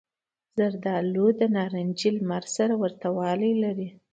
زردالو له نارنجي لمر سره ورته والی لري.